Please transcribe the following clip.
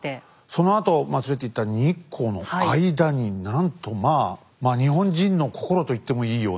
そのあとまつれと言った日光の間になんとまあまあ日本人の心と言ってもいいような。